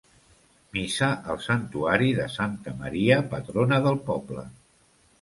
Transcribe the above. Missa al santuari de Santa Maria, patrona del poble.